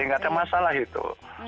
gak ada masalah itu